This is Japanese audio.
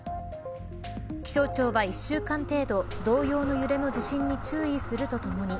気象庁は１週間程度同様の揺れの地震に注意するとともに